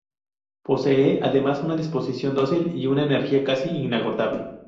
Posee además una disposición dócil y una energía casi inagotable.